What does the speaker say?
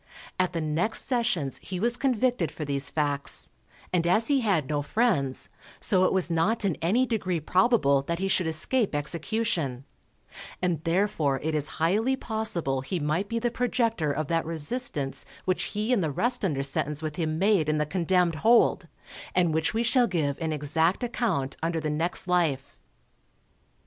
At the next sessions he was convicted for these facts, and as he had no friends, so it was not in any degree probable that he should escape execution; and therefore it is highly possible he might be the projector of that resistance which he and the rest under sentence with him made in the condemned hold, and which we shall give an exact account under the next life.